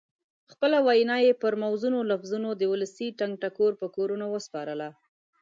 خپله وینا یې پر موزونو لفظونو د ولسي ټنګ ټکور په کورونو وسپارله.